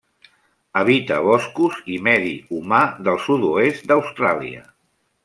Habita boscos i medi humà del sud-oest d'Austràlia.